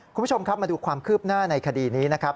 คุณผู้ชมครับมาดูความคืบหน้าในคดีนี้นะครับ